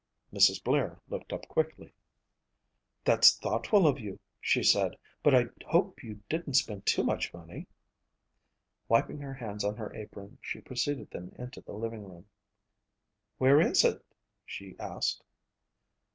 Mrs. Blair looked up quickly. "That's thoughtful of you," she said, "but I hope you didn't spend too much money." Wiping her hands on her apron, she preceded them into the living room. "Where is it?" she asked.